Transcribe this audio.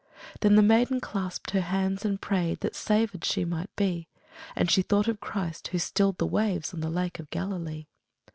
Then the maiden clasped her hands and prayed That savèd she might be; And she thought of Christ, who stilled the waves On the Lake of Galilee.